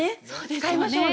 使いましょうね。